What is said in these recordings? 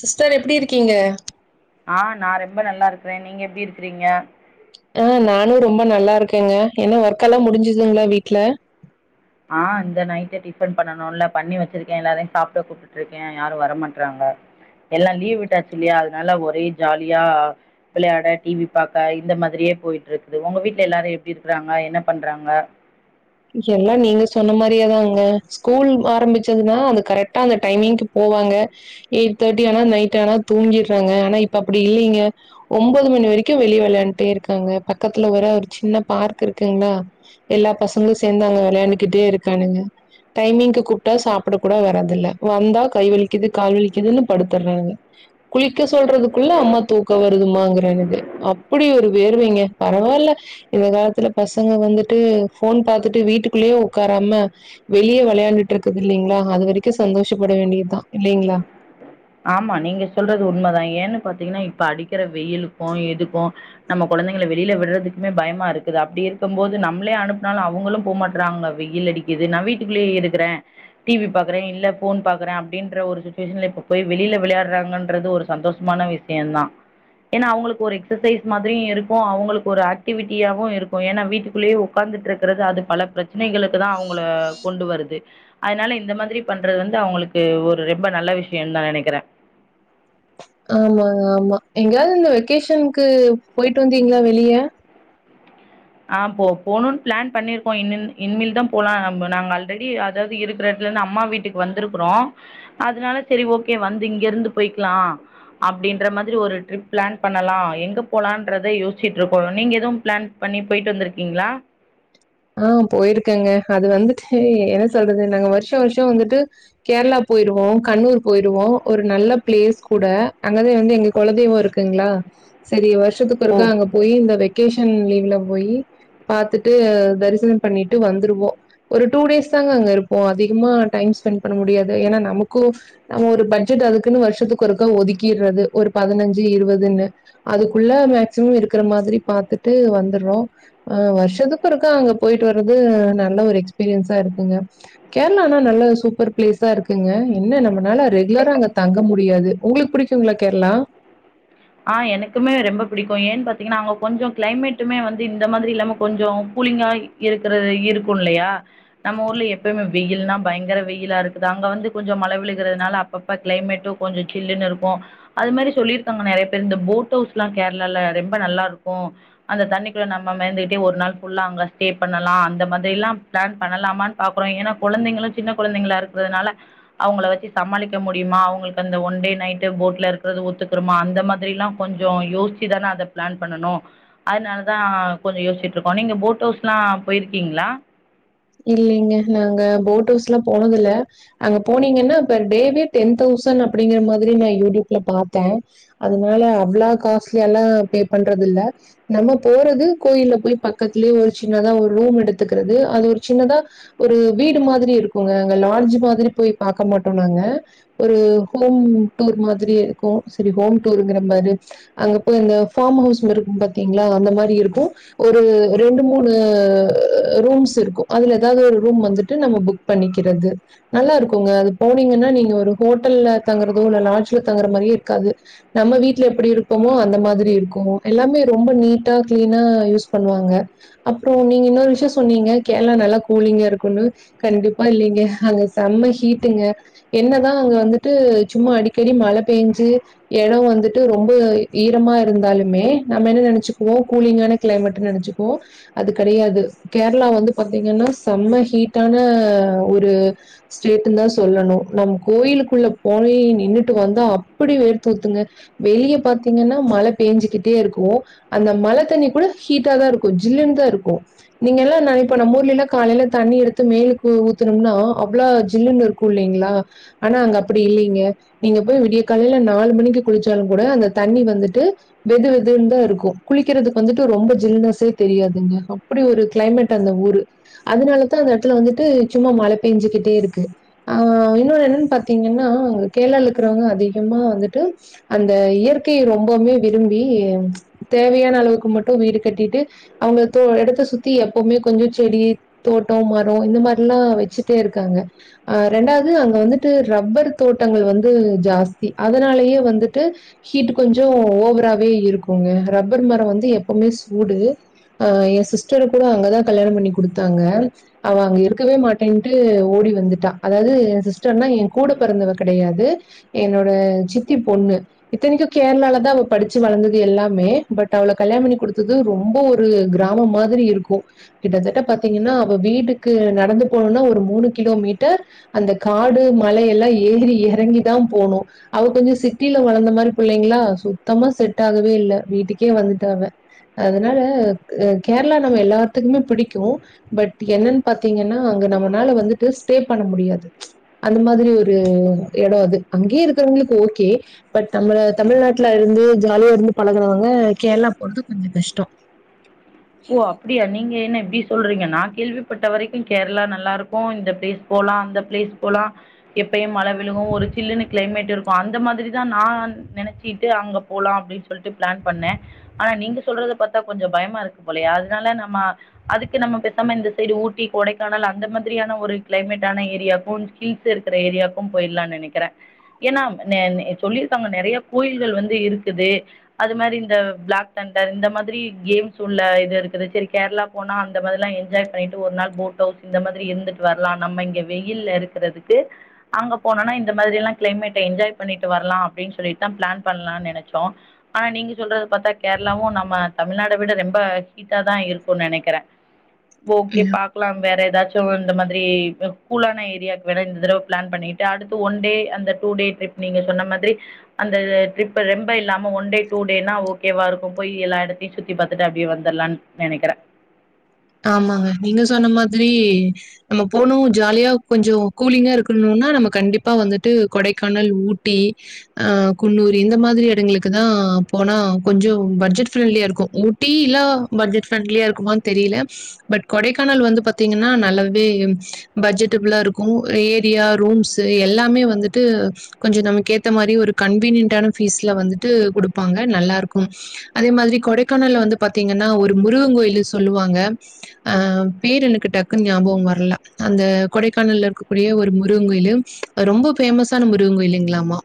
sister எப்டி இருக்கீங்க ஆ நா ரொம்ப நல்லா இருக்கிறே நீங்க எப்டி இருக்கிறீங்க ஆ நானு ரொம்ப நல்லா இருக்கேங்க என்ன ஒர்க்கெல்லா முடிஞ்சிதுங்ளா வீட்ல ஆ இந்த நைட்டு டிஃபன் பண்ணனுல்ல பண்ணி வெச்சிருக்கே எல்லாரையு சாப்ட கூப்டுட்ருக்கே யாரு வர மாட்றாங்க எல்லா லீவ் விட்டாச்சு இல்லியா அதனால ஒரே ஜாலியா விளையாட டி வி பாக்க இந்த மாத்ரியே போயிட்ருக்குது உங்க வீட்ல எல்லாரு எப்டி இருக்கறாங்க என்ன பண்றாங்க எல்லா நீங்க சொன்ன மாரியே தாங்க ஸ்கூல் ஆரம்பிச்சதுன்னா அது கரெக்டா அந்த டைமிங்க்கு போவாங்க எயிட் தேட்டி ஆனா நைட் ஆனா தூங்கிட்றாங்க ஆனா இப்ப அப்டி இல்லைங்க ஒம்பது மணி வரைக்கு வெளிய வெளையாண்ட்டே இருக்காங்க பக்கத்துல வேற ஒரு சின்ன பார்க் இருக்குங்ளா எல்லா பசங்களு சேந்து அங்க வெளையாண்டுக்கிட்டே இருக்கானுங்க டைமிங்க்கு கூப்டா சாப்பட கூட வராதில்ல வந்தா கை வலிக்குது கால் வலிக்குதுன்னு படுத்துர்றாங்க குளிக்க சொல்றதுக்குள்ள அம்மா தூக்கோ வருதுமாங்கிறானுக அப்டி ஒரு வேர்வைங்க பரவால்ல இந்த காலத்துல பசங்க வந்துட்டு ஃபோன் பாத்துட்டு வீட்டுக்குள்ளேயே உக்காராம வெளிய வெளையாண்டுட்ருக்குது இல்லைங்ளா அது வரைக்கு சந்தோஷப்பட வேண்டியதுதா இல்லைங்களா ஆமா நீங்க சொல்றது உண்மதா ஏன்னு பாத்தீங்கன்னா இப்ப அடிக்கிற வெயிலுக்கு இதுக்கு நம்ம கொழந்தைங்கள வெளில விட்றதுக்குமே பயமா இருக்குது அப்டி இருக்கும் போது நம்மளே அனுப்புனாலு அவுங்களு போ மாட் றாங்க வெயில் அடிக்குது நா வீட்டுக்குள்ளயே இருக்கறே டி வி பாக்குறே இல்ல ஃபோன் பாக்குறே அப்டின்ற ஒரு சுச்சுவேஷன்ல இப்ப போய் வெளில விளையாட்றாங்கன்றது ஒரு சந்தோஷமான விஷயம் தா ஏனா அவுங்களுக்கு ஒரு எக்சசைஸ் மாத்ரியு இருக்கு அவுங்களுக்கு ஒரு ஆக்டிவிட்டியாவு இருக்கு ஏனா வீட்டுக்குள்ளயே உக்காந்துட்ருக்கிறது அது பல பிரச்சனைகளுக்கு தா அவுங்கள கொண்டு வருது அதனால இந்த மாத்ரி பண்றது வந்து அவுங்களுக்கு ஒரு ரெம்ப நல்ல விஷயந்தா நெனைக்கிறே ஆமாங்க ஆமா எங்கியாவ்து இந்த வெக்கேஷனுக்கு போயிட்டு வந்தீங்ளா வெளிய ஆ போ போனுன் பிளான் பண்ணிருக்கோ இன்ன இன்மேல் தா போலா நம்ப நாங்க ஆல்ரெடி அதாவ்து இருக்கிற எடத்துலருந்து அம்மா வீ ட்டுக்கு வந்திருக்குறோ அதனால செரி ஓகே வந்து இங்கிருந்து போய்க்லா அப்டின்ற மாதிரி ஒரு ட்ரிப் பிளான் பண்ணலாம் எங்க போலான்றத யோசிச்சிட்டுருக்கோம் நீங்க எதுவும் பிளான் பண்ணி போயிட்டு வந்திருக்கீங்களா ஆ‌போயிருக்கேங்க அது வந்துட்டு என்ன சொல்றது நாங்க வருஷம் வருஷம் வந்துட்டு கேரளா போயிருவோம் கண்ணூர் போயிருவோம் ஒரு நல்ல பிளேஸ் கூட அங்கதான் வந்து எங்க கொலதெய்வம் இருக்கு இருக்குங்களா செரி வருஷத்துக்கு ஓ ஒருக்க அங்க போய் இந்த வெக்கேஷன் லீவ்ல போய் பாத்துட்டு தரிசனம் பண்ணிட்டு வந்துருவோம் ஒரு டூ டேஸ் தாங்க அங்க இருப்போம் அதிகமா டைம் ஸ்பெண்ட் பண்ண முடியாது ஏன்னா நமக்கும் நம்ம ஒரு பட்ஜெட் அதுக்குன்னு வருஷத்துக்கு ஒருக்கா ஒதுக்கிறது ஒரு பதினஞ்சு இருபதுன்னு அதுக்குள்ள மேக்சிமம் இருக்கிற மாதிரி பாத்துட்டு வந்துறோம் ஆ வருஷத்துக்கு அங்க போயிட்டு வர்றது நல்ல ஒரு எக்ஸ்பீரியன்ஸா இருக்குங்க கேரளானா நல்ல சூப்பர் பிளேஸா இருக்குங்க என்ன நம்மளால ரெகுலரா அங்க தங்க முடியாது உங்களுக்கு பிடிக் டிக்குங்களா கேரளா ஆஹ் எனக்குமே ரொம்ப பிடிக்கும் ஏன்னு பாத்தீங்கன்னா அங்க கொஞ்சம் கிளைமேட்டுமே வந்து இந்த மாதிரி இல்லாம கொஞ்சம் கூலிங்கா இருக்கறது இருக்கும் இல்லையா நம்ம ஊர்ல எப்பயுமே வெயில்னா பயங்கர வெயிலா இருக்குது அங்க வந்து கொஞ்சம் மழை விழுகுறதுனால அப்பப் க்ளைமெட்டும் கொஞ்சம் சில்லுன்னு இருக்கும் அது மாறி சொல்லிருக்காங்க நிறைய இந்த போட் ஹவுஸ் எல்லாம் கேரளால ரொம்ப நல்லா இருக்கும் அந்த தண்ணிக்குள்ள நம்ம மெதந்துகிட்டே ஒரு நாள் ஃபுல்லா அங்க ஸ்டே பண்ணலாம் அந்த மாதிரிலாம் பிளான் பண்ணலாமான்னு பாக்றோம் ஏனா குழந்தைங்களும் சின்ன குழந்தைங்களா இருக்கிறதுனால அவங்கள வச்சு சமாளிக்க முடியுமா அவங்களுக்கு அந்த ஒன் டே நைட்டு போட்ல இருக்குறது ஒத்துக்குறுமா அந்த மாதிரி மாதிரிலாம் கொஞ்சம் யோசிச்சி தானே அதை பிளான் பண்ணனும் அதனால தான் கொஞ்சம் யோசிச்சிட்டுருக்கோம் நீங்க போட் வுஸ்லாம் போயிருக்கீங்களா இல்லலைங்க நாங்க போட் ஹவுஸ் எல்லாம் போனதில்ல அங்க போனீங்கன்னா பர் டேவே டெய்லியும் டென் தௌசண்ட் அப்படிங்கிற மாதிரி நான் யூடியூப்ல பாத்தேன் அதனால அவ்ளா காஸ்ட்லியால்லாம் பே பண்றது இல்ல நம்ம போறது கோயில்ல போய் பக்கத்துலயே ஒரு சின்னதா ஒரு ரூம் எடுத்துக்கிறது அது ஒரு சின்னதா ஒரு வீடு மாதிரி இருக்குங்க அங்க லாட்ஜ் மாதிரி போய் பாக்க மாட்டோம் நாங்க ஒரு ஹோம் டூர் மாதிரி இருக்கும் சரி ஹோம் டூருங்கறே பாரு அங்க போய் இந்த ஃபார்ம் ஹவுஸ் இருக்கும் பாத்தீங்களா அந்த மாதிரி இருக்கும் ஒரு ரெண்டு மூணு ரூம்ஸ் இருக்கும் அதுல ஏதாவது ஒரு ரூம் வந்துட்டு நம்ம புக் பண்ணிக்கிறது நல்லா இருக்கும்ங்க அது போனீங்கன்னா நீங்க ஒரு ஹோட்டல்ல தங்குறதோ இல்ல லாஜ்ல தங்கற மாதிரியே இருக்காது நம்ம வீட்ல எப்படி இருப்போமோ அந்த மாதிரி இருக்கும் எல்லாமே ரொம்ப நீட்டா கிளீனா யூஸ் பண்ணுவாங்க அப்புறம் நீங்க இன்னொரு விஷயம் சொன்னீங்க கேரளா நல்லா கூலிங்கா இருக்கும்னு கண்டிப்பா இல்லைங்க அங்க செம்ம ஹீட்டுங்க என்னதான் அங்க வந்துட்டு சும்மா அடிக்கடி மழை பெஞ்சு இடம் வந்துட்டு ரொம்ப ஈரமா இருந்தாலுமே நம்ம என்ன நினைச்சுக்குவோம் கூலிங்கான கிளைமேட்ன்னு நினைச்சுப்போம் அது கிடையாது கேரளா வந்து பாத்தீங்கன்னா செம்ம ஹீட்டான ஒரு ஸ்டேட்டுனு தா சொல்லணும் நம் கோயிலுக்குள்ள போய் நின்னுட்டு வந்தா அப்படி வேர்த்து ஊத்துங்க வெளிய பாத்தீங்கன்னா மழை பேஞ்சுகிட்டே இருக்கும் அந்த மழை தண்ணி கூட ஹீட்டா தான் இருக்கும் ஜில்லுனு தான் இருக்கும் நீங்க எல்லாம் நினை இப்ப நம்ம ஊர்லல்ல காலையில தண்ணி எடுத்து மேலுக்கு ஊத்துனும்னா அவ்ளோ ஜில்லுன்னு இருக்கும் இல்லைங்களா ஆனா அங்க அப்படி இல்லலைங்க நீங்க போய் விடிய காலையில நாலு மணிக்கு குளிச்சாலு கூட அந்த தண்ணி வந்துட்டு வெது வெதுன்னு தா இருக்கு குளிக்கிறதுக்கு வந்துட்டு ரொம்ப ஜில்னஸ்சே தெரியாதுங்க அப்படி ஒரு கிளை மேட் அந்த ஊரு அதனாலதா அந்த இடத்துல வந்துட்டு சும்மா மழ பெஞ்சுகிட்டே இருக்கு ஆ இன்னொன் என்னன் பாத்தீங்கன்னா கேர்ளால இருக்கவுங்க அதிகமா வந்துட்டு அந்த இயற்கைய ரொம்பவுமே விரும்பி தேவையான அளவுக்கு மட்டு வீடு கட்டிட்டு அவுங்க தே இடத்த சுத்தி எப்போமே கொஞ்ச செடி தோட்டோ மரோ இந்த மார்லா வச்சுட்டே இருக்காங்க அ ரெண்டாவது அங்க வந்துட்டு ரப்பர் தோட்டங்கள் வந்து ஜாஸ்தி அதனாலேயே வந்துட்டு ஹீட்டு கொஞ்சோ ஓவராவே இருக்குங்க ரப்பர் மரம் வந்து எப்போமே சூடு அ என் சிஸ்டர கூட அங்கதா கல்யாணம் பண்ணி குடுத்தாங்க அவ அங்க இருக்கவே மாட்டேன்ட்டு ஓடி வந்துட்டா அதாவது என் சிஸ்டர்னா என் கூட பிறந்தவ கெடையாது என்னோட சித்தி பொண்ணு இத்தனைக்கு கேர்ளால தா அவ படிச்சு வளர்ந்தது எல்லாமே பட் அவள கல்யாண பண்ணி குடுத்தது ரொம்ப ஒரு ஃபுல் கிராமம் மாதிரி இருக் கு௱கிட்டத்தட்ட பாத்தீங்கன்னா அவ வீட்டுக்கு நடந்து போனுனா ஒரு மூணு கிலோமீட்டர் அந்த காடு மலை எல்லா ஏறி இறங்கி தா போனு அவ கொஞ்ச சிட்டில வளர்ந்த மாரி பிள்ளைங்ளா சுத்தமா செட் ஆகவே இல்ல வீட்டுக்கே வந்துட்ட அவ அதனால கேர்ளா நம்ம எல்லா த்துக்குமே புடிக்கும் பட் என்னன் பாத்தீங்கன்னா அங்க நம்மனால வந்துட்டு ஸ்டே பண்ண முடியாது அந்த மாதிரி ஒரு இடோ அது அங்கே இருக்கறவுங்களுக் ஓகே பட் நம்மள தமிழ்நாட்டுல இருந்து ஜாலியா இருந்து பழகுனவுங்க கேர்ளா போறது கொஞ்ச கஷ்டோ ஓ அப்டியா நீங்க என்ன இப்டி சொல்றீங்க நா கேள்விப்பட்ட வரைக்கு கேர்ளா நல்லா இருக்கு இந்த பிளேஸ் போலா அந்த ப்ளேஸ் போலா எப்பயு மழ விழுகு ஒரு சில்லுனு கிளைமேட் இருக்கு அந்த மாதிரிதா நா நெனச் சிட்டு அங்க போலா அப்டின் சொல்ட்டு பிளான் பண்ண ஆனா நீங்க சொல்றத பாத்தா கொஞ்ச பயமா இருக் கு போலையே அதனால நம்ம அதுக்கு நம்ம பேசாம இந்த சைடு ஊட்டி கொடைக்கானல் அந்த மாதிரியான ஒரு கிளைமேட்ட ஆனா ஏரியாக்கு ஹில்ஸ் இருக்கிற ஏரியாக்கு போய்ட்லான் நெனக்கிற ஏன்னா நெ சொல்லியிருக்காங்க நெறைய கோயில்கள் வந்து இருக்குது அது மாரி இந்த பிளாக் தண்டர் இந்த மாரி கேம்ஸ் சுல்ல இது இருக்குது செரி கேர்ளா போனா அந்த மாதிரிலா என்ஜாய் பண்ணிட்டு ஒரு நாள் போட் ஹவுஸ் இந்த மாதிரி இருந்துட் வர்லா நம்ம இங்க வெயில்ல இருக்கிறதுக்கு அங்க போனோனா இந்த மாதிரி எல்லா கிளைமேட்ட என்ஜாய் பண்ணிட்டு வர்லா அப்டின் சொல்லிட்டு தா பிளான் பண்லான் நெனச்சோ ஆனா நீங்க சொல்றத பார்த்தா கேர்ளாவு நம்ம தமிழ்நாட் ட விட ரெம்ப ஹீட்டா தா இருக்கு நெனைக்கிற ஓகே ப க்லாம் வேற ஏதாச்சு இந்த மாதிரி கூலான ஏரியாக்கு வேனா இந்த தரவ பிளான் பண்ணிட் அடுத்து ஒன் டே அந்த டூ டே ட்ரிப் நீங்க சொன்ன மாதிரி அந்த ட்ரிப் ரெம்ப இல்லாம ஒன் டே டூ டேனா ஓகேவா இருக்கு போய் எல்லா இடத்தையு சு த்தி பாத்துட்டு அப்டியே வந்தர்லான் நெனைக்ற ஆமாங்க நீங்க சொன்ன மாதிரி நம்ம போணு ஜாலியா கொஞ்சோ கூலிங்கா இருக்கணுனா நம்ம கண்டிப்பா வந்துட்டு கொடைக்கானல் ஊட்டி ஆ குன்னூர் இந்த மாதிரி இடங்களுக்கு தா போனா கொஞ்சோ பட்ஜெட் ஃப்ரெண்ட்லியா இருக்கு டீலா பட்ஜட் ஃப்ரெண்ட்லியா இருக்குமான் தெரில பட் கொடைக்கானல் வந்து பாத்தீங்கன்னா நல்லாவே பட்ஜெட்டு புல்லா இருக்கு ஏரியா ரூம்ஸ்சு எல்லாமே வந்துட்டு கொஞ்சம் நமக்கு ஏத்த மாரி ஒரு கன்வீனியன்ட் பீஸ்ல வந்துட்டு குடுப்பாங்க நல்லா இருக்கும் அதே மாரி கொடைக்கானல வந்து பாத்திங்கன்னா ஒரு முருகன் கோயில் சொல்லுவாங்க அ பேர் எனக்கு டக்குன்னு ஞாபகம் வரல அந்த கொடைக்கானல இருக் இப்டியே ஒரு முருகன் கோயில் ரொம்ப பேமஸான முருகன் கோயிலுங்களாமா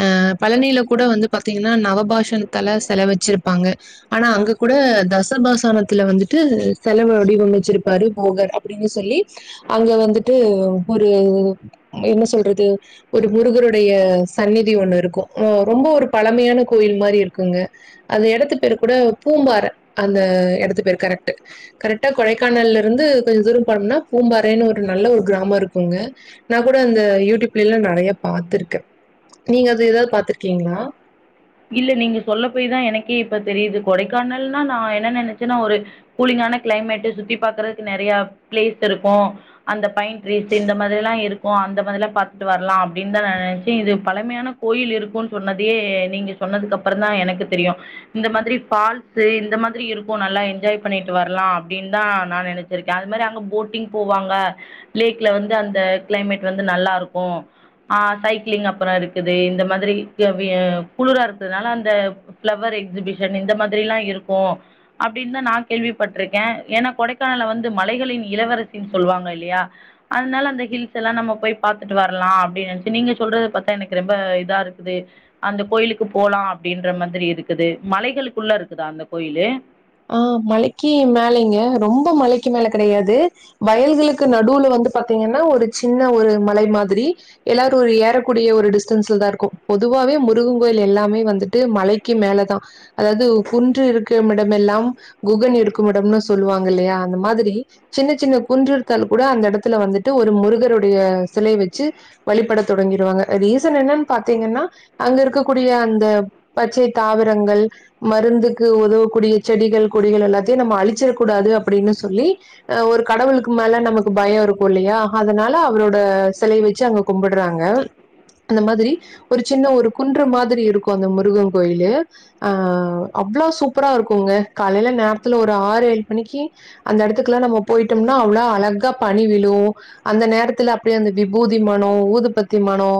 அ பழனியில கூட வந்து பாத்தீங்கன்னா நவபாஷணத்தால செல வச்சிருப்பாங்க ஆனா அங்க கூட தசபசானத்துல வந்துட்டு செலவு வடிவமைச்சிருப்பாரு போகர் அப்டின்னு சொல்லி அங்க வந்துட்டு ஒரு என்ன சொல்றது ஒரு முருகருடைய சந்ன்னிதி ஒண்ணு இருக்கும் ரொம்ப ஒரு பழமையான கோயில் மாரி இருக்குங்க அந்த இடத்து பேரு கூட பூம்பார அந்த இடத்து பேர் கரெக்ட்டு கரெக்டா கொடைக்கானல்ல இருந்து கொஞ்சம் தூரம் பனோம்னா பூம்பாறைன்னு ஒரு நல்ல ஒரு கிராமம் இருக்குங்க நா கூட அந்த யூடியூப்ல எல்லாம் நிறைய பாத்துருக்கேன் நீங்க அது ஏதாவது பாத்துருக்கீங்களா இல்ல நீங்க சொல்ல போயதான் எனக்கே இப்ப தெரியுது கொடைக்கானல்னா நான் என்ன நினைச்சேன்னா ஒரு கூலிங்கான கிளைமேட் சுத்தி பாக்குறதுக்கு நறைய பிளேஸ் இருக்கும் அந்த பைன் ட்ரீஸ் இந்த மாரில்லாம் இருக்கும் அந்த மாதிரில்லாம் பாத்துட்டு வரலாம் அப்டின்னு தான் நான் நினைச்சன் இது பழமையான கோயில் இருக்கும்ன்னு சொன்னதையே நீங்க சொன்னதுக்கு அப்புறம் தான் எனக்கு தெரியும் இந்த மாதிரி பால்ஸ்ஸு இந்த மாதிரி இருக்கும் நல்லா என்ஜாய் பண்ணிட்டு வரலாம் அப்டின்னு தான் நான் நினைச் சிருக்கேன் அது மாதிரி அங்க போட்டிங் போவாங்க லேக்ல வந்து அந்த கிளைமேட் வந்து நல்லா இருக்கும் ஆ சைக்ளிங் அப்புற இருக்குது இந்த மாதிரி இ வ குளிரா இருக்கிறதுனால அந்த பிளவர் எக்ஸிபிஷன் இந்த மதிரலாம் இருக்கு அப்டின்னு தான் நான் கேள்விப்பட்டிருக்கேன் ஏன்னா கொடைக்கானல வந்து மலைகளின் இளவரசின் சொல்லுவாங்க இல்லையா அதனால அந்த ஹில்ஸ் எல்லாம் நம்ம போய் பார்த்துட்டு வரலாம் அப்டின்னு நினைச்சு நீங்க சொல்றது பாரத்தா எனக்கு ரொம்ப இதா இருக்குது அந்த கோயிலுக்கு போலாம் அப்டின்ற மாதிரி இருக்குது மலைகளுக்குள்ள இருக்குதா அந்த கோயிலு ஆ மலைக்கு மேலங்க ரொம்ப மலைக்கு மேல கிடையாது வயல்களுக்கு நடுவுல வந்து பாத்தீங்கன்னா ஒரு சின்ன ஒரு மலை மாதிரி எல்லாரும் ஒரு ஏறக்கூடிய ஒரு டிஸ்டன்ஸ்ல தான் இருக்கும் பொதுவாவே முருகன் கோயில் எல்லாமே வந்துட்டு மழைக்கு மேலதான் அதாவது குன்று இருக்க இடம் எல்லாம் குகன் இருக்கும் இடம்னு சொல்லுவாங்க இல்லையா அந்த மாதிரி சின்ன சின்ன குன்று இருத்தால் கூட அந்த இடத்துல வந்துட்டு ஒரு முருகருடைய சிலை வச்சு வழிப்பட தொடங்கிருவாங்க ரீசன் என்னன்னு பாத்தீங்கன்னா அங்க இருக்கக்கூடிய அந்த பச்சை தாவரங்கள் மருந்துக்கு உதவக்கூடிய செடிகள் கொடிகள் எல்லாத்தையும் நம்ம அழிச்சிடக் கூடாது அப்டின்னு சொல்லி ஆ ஒரு கடவுளுக்கு மேல நமக்கு பயம் இருக்கும் இல்லையா அதனால அவரோட சிலை வச்சு அங் கும்படுறாங்க அந்த மாதிரி ஒரு சின்ன ஒரு குன்று மாதிரி இருக்கும் அந்த முருகன் கோயிலு ஆ அவ்ளோ சூப்பரா இருக்கும்ங்க காலையில நேரத்துல ஒரு ஆறு ஏழு மணிக்கி அந்த இடத்துக்குல்லா நம்ம போயிட்டோம்னா அவ்ளோ அழகா பனி விழு அந்த நேரத்துல அப்டியே அந்த விபூதி மனோ ஊதுபத்தி மனோ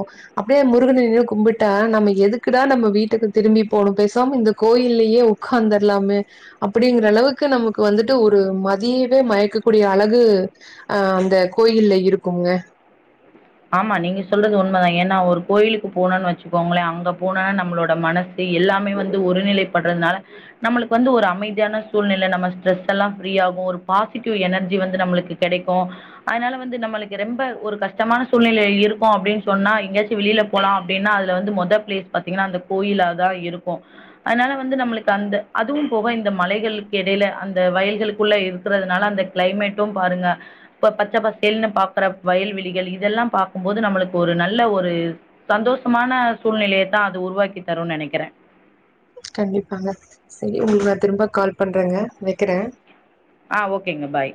அப்டியே முருகன நின்னு கும்பிட்டா நம்ம எதுக்குடா நம்ம வீட்டுக்கு திரும்பி போனு பேசாம இந்த கோயில்லயே உக்காந்த ர்லாமே அப்டிங்கற அளவுக்கு நமக்கு வந்துட்டு ஒரு மதியவே மயக்கக்கூடிய அழகு ஆ அந்த கோயில்ல இருக்குங்க ஆமா நீங்க சொல்றது உண்மைதான் ஏன்னா ஒரு கோயிலுக்கு போனும்னு வச்சுக்கோங்களே அங்க போனா நம்மளோட மன சு எல்லாமே வந்து ஒருநிலை பட்றதுனால நம்மளுக்கு வந்து ஒரு அமைதியான சூழ்நிலை நம்ம ஸ்ட்ரெஸ் எல்லாம் ஃப்ரீயாகும் ஒரு பாசிட்டிவ் எனர்ஜி வந்து நம்மளுக்கு கெடைக்கும் அதுனால வந்து நம்மளுக்கு ரெம்ப ஒரு கஷ்டமான சூழ்நிலைல இருக்கோ அப்டின்னு சொன்னா எங்காச்சு வெளியில போலா அப்டின்னா அதுல வந்து மொத பிளேஸ் பாத்தீங்கன்னா அந்த கோயிலாதா இருக்கு ஆனாலு வந்து நம்மளுக்கு அந்த அதுவு போக இந்த மலைகளுக்கு இடையில அந்த வயல்களுக்குள்ள இருக்கிறதுனால அந்த கெளைமேட்டு பாருங்க இப்ப பச்சை பசேல்னு பாக்ற வயல்வெளிகள் இதெல்லா பாக்கும்போது நம்மளுக்கு ஒரு நல்ல ஒரு சந்தோஷமான சூழ்நிலையத்தா அது உருவாக்கி தரும்னு நெனைக்கிறே கண்டிப்பாங்க சரி உங்களுக்கு நான் திரும்ப கால் பண்றேங்க வெக்கிறே அ ஓகேங்க பாய்